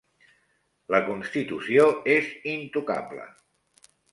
La Constitució és intocable.